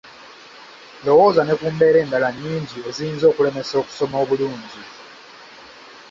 Lowooza ne ku mbeera endala nnyingi eziyinza okulemesa okusoma obulungi.